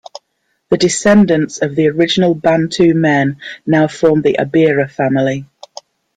The descendants of the original Bantu men now form the Abira family.